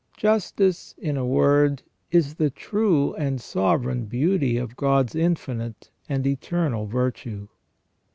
Justice, in a word, is the true and sovereign beauty of God's infinite and eternal virtue.